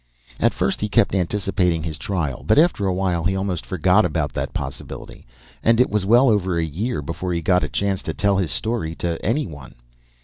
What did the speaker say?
At first he kept anticipating his trial, but after a while he almost forgot about that possibility. And it was well over a year before he got a chance to tell his story to anyone.